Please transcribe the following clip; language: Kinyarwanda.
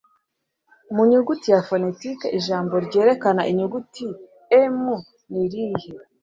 Mu nyuguti ya Fonetike Ijambo Ryerekana Inyuguti M nirihe